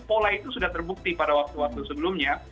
pola itu sudah terbukti pada waktu waktu sebelumnya